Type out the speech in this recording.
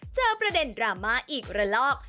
เจอประเด็นดราม่าอีกระลอก